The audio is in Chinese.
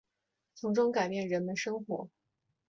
从中改变人们生活